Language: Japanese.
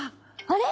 あれ？